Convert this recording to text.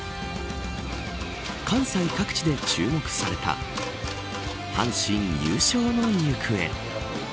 関西各地で注目された阪神優勝の行方。